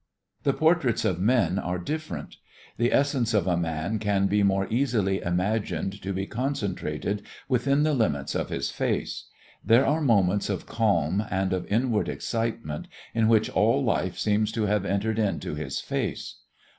The portraits of men are different. The essence of a man can be more easily imagined to be concentrated within the limits of his face; there are moments of calm and of inward excitement in which all life seems to have entered into his face.